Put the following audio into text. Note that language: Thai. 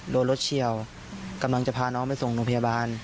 โดนรถเฉียวกำลังจะพาน้องไปส่งโรงพยาบาล